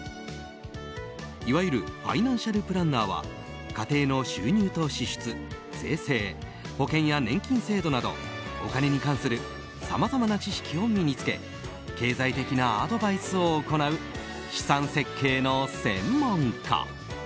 いわゆるファイナンシャルプランナーは家庭の収入と支出、税制保険や年金制度などお金に関するさまざまな知識を身に付け経済的なアドバイスを行う資産設計の専門家。